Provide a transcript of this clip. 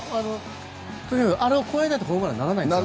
あれを越えないとホームランにならないんですか？